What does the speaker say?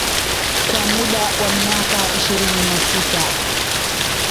Kwa muda wa miaka ishirini na sita